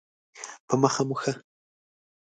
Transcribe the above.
په مخه مو ښه